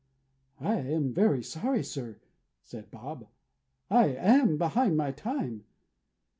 "I am very sorry, sir," said Bob. "I am behind my time."